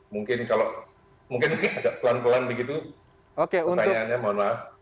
mungkin kalau mungkin agak pelan pelan begitu pertanyaannya mohon maaf